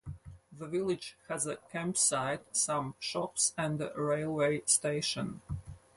The village has a campsite, some shops and a railway station.